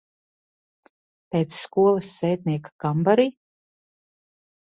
Pēc skolas sētnieka kambarī?